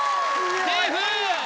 セーフ！